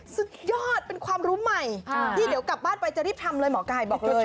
สุดยอดเป็นความรู้ใหม่ที่เดี๋ยวกลับบ้านไปจะรีบทำเลยหมอไก่บอกเลย